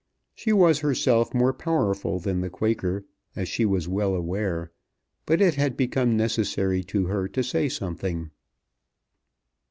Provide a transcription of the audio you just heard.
She was herself more powerful than the Quaker, as she was well aware; but it had become necessary to her to say something.